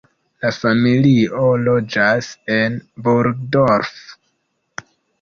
La familio loĝas en Burgdorf.